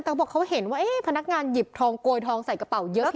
แต่เขาบอกเขาเห็นว่าพนักงานหยิบทองโกยทองใส่กระเป๋าเยอะ